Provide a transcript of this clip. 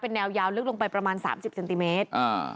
แนวยาวลึกลงไปประมาณ๓๐เซนติเมตร